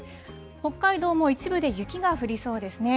北海道も一部で雪が降りそうですね。